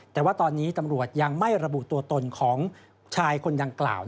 แต่ว่าตอนนี้ตำรวจยังไม่ระบุตัวตนของชายคนดังกล่าว